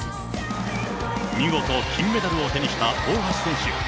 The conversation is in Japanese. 見事金メダルを手にした大橋選手。